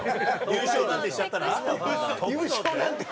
優勝なんてしちゃったら「飛ぶぞ」って？